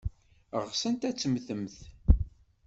Ɣsent ad temmtemt.